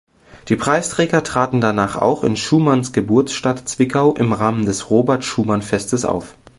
Die Preisträger traten danach auch in Schumanns Geburtsstadt Zwickau im Rahmen des Robert-Schumann-Festes auf.